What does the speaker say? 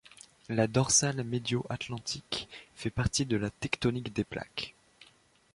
La dorsale médio-atlantique fait partie de la tectonique des plaques.